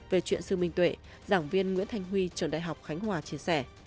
về chuyện sư minh tuệ giảng viên nguyễn thanh huy trường đại học khánh hòa chia sẻ